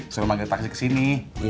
suruh manggil taksi kesini